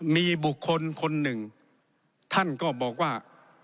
มีบุคคลคนหนึ่งท่านก็บอกว่า